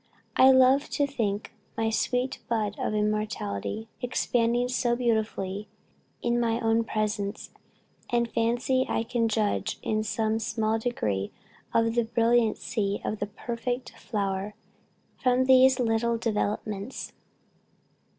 I love to think of my sweet bud of immortality expanding so beautifully in my own presence; and fancy I can judge in some small degree of the brilliancy of the perfect flower, from these little developments.